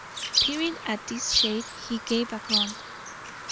Peering at this shade he gave a grunt.